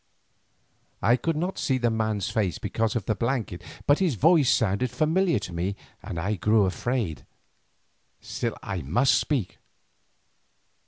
I could not see the man's face because of the blanket, but his voice sounded familiar to me and I grew afraid. Still I must speak.